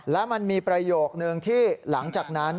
และมันมีประโยคนึงที่หลังจากนั้น